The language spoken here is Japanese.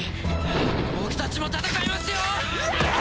僕たちも戦いますよ！